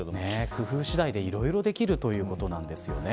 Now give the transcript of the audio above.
工夫次第でいろいろできるということですよね。